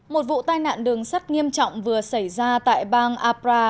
một vụ tai nạn đường sắt nghiêm trọng vừa xảy ra tại bang abra